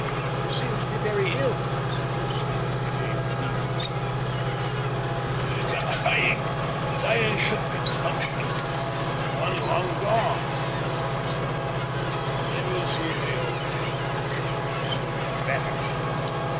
"You seem to be very ill," said Lucian, pitying the feebleness of the poor creature. "Dying of consumption one lung gone!" gasped Berwin. "It will soon be over the sooner the better."